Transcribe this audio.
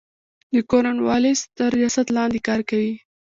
د کورن والیس تر ریاست لاندي کار کوي.